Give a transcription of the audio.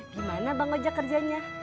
gimana bang oja kerjanya